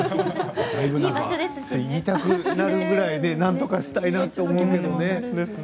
言いたくなるぐらいどうにかしたいなと思いますね。